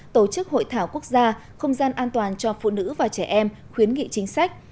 tổ chức hội thảo quốc gia không gian an toàn cho phụ nữ và trẻ em khuyến nghị chính sách